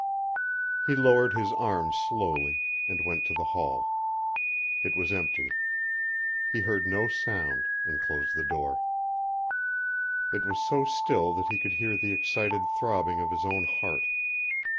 He lowered his arms slowly, and went to the hall. It was empty. He heard no sound, and closed the door. It was so still that he could hear the excited throbbing of his own heart.